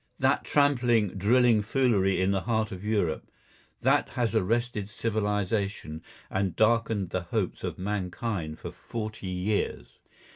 That trampling, drilling foolery in the heart of Europe, that has arrested civilisation and darkened the hopes of mankind for forty years.